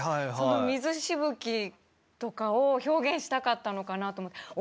その水しぶきとかを表現したかったのかなと思って。